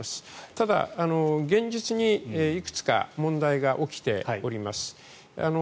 ただ、現実にいくつか問題が起きております。